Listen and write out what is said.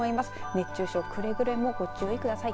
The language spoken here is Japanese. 熱中症、くれぐれもご注意ください。